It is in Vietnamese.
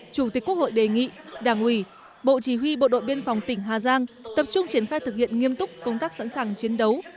chủ tịch quốc hội đề nghị đảng ủy bộ chỉ huy bộ đội biên phòng tỉnh hà giang tập trung triển khai thực hiện nghiêm túc công tác sẵn sàng chiến đấu